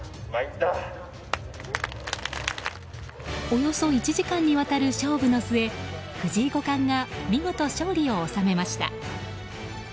およそ１時間にわたる勝負の末藤井五冠が見事勝利を収めました。